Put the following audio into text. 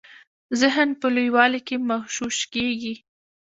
ذهن په لویوالي کي مغشوش کیږي.